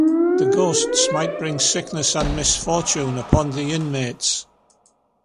The ghosts might bring sickness and misfortune upon the inmates.